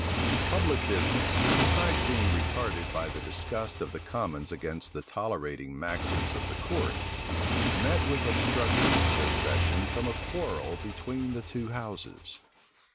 Public business, besides being retarded by the disgust of the commons against the tolerating maxims of the court, met with obstructions this session from a quarrel between the two houses.